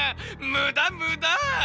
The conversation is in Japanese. むだむだ！